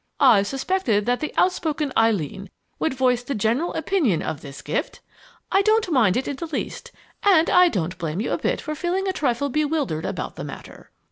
"I suspected that the outspoken Eileen would voice the general opinion of this gift! I don't mind it in the least, and I don't blame you a bit for feeling a trifle bewildered about the matter.